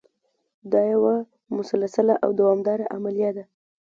دا یوه مسلسله او دوامداره عملیه ده.